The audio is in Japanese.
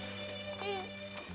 うん。